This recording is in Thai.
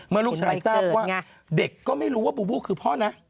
เมื่อลูกชายทราบว่าเด็กก็ไม่รู้ว่าบูบูคือพ่อนะ